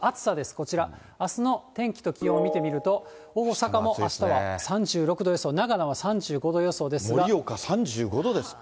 こちら、あすの天気と気温を見てみると、大阪もあすは３６度予想、盛岡、３５度ですって。